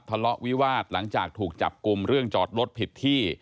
ทะเลาะวิวาสหลังจากถูกจับกลุ่มเรื่องจอดรถผิดที่